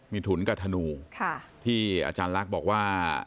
มีถุนกับธนูที่อาจารย์ลักษณ์บอกว่า